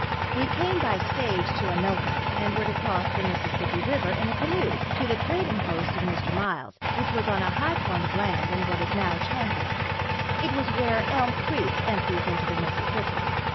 We came by stage to Anoka and were to cross the Mississippi river in a canoe, to the trading post of Mr. Miles, which was on a high point of land in what is now Champlin. It was where Elm creek empties into the Mississippi.